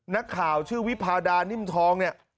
นักข่าวชื่อวิพาดานิ่มทองเนี่ย